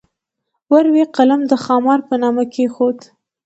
ور وې قلم د خامار په نامه کېښود.